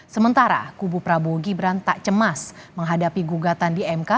sementara kubu prabowo gibran tak cemas menghadapi gugatan di mk